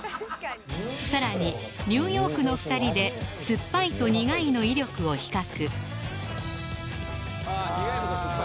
さらにニューヨークの２人で酸っぱいと苦いの威力を比較